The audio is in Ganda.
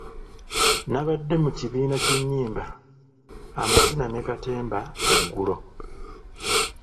Nabadde mu kibiina ky'ennyimba, amazina ne katemba eggulo.